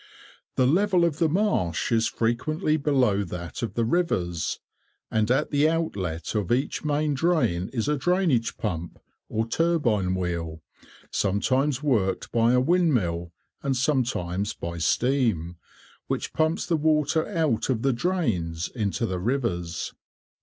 The level of the marsh is frequently below that of the rivers, and at the outlet of each main drain is a drainage pump, or turbine wheel, sometimes worked by a windmill, and sometimes by steam, which pumps the water out of the drains into the rivers.